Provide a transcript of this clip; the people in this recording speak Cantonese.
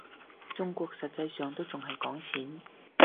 中國實際上都仲係講錢